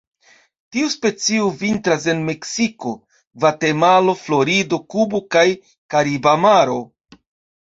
Tiu specio vintras en Meksiko, Gvatemalo, Florido, Kubo kaj la Kariba Maro.